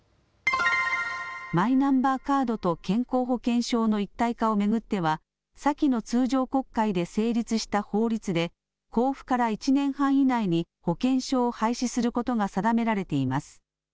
マイナンバーカードと健康保険証の一体化を巡っては先の通常国会で成立した法律で公布から１年半以内に保険証を廃止することが定められています。